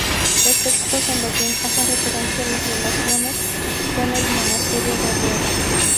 Los textos en latín hacen referencia a las relaciones con el monasterio de Rueda.